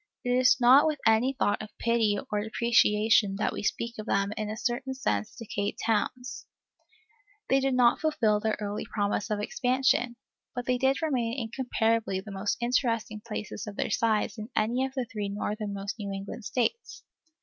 It is not with any thought of pity or depreciation that we speak of them as in a certain sense decayed towns; they did not fulfil their early promise of expansion, but they remain incomparably the most interesting places of their size in any of the three northernmost New England States.